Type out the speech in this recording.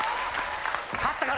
勝ったから。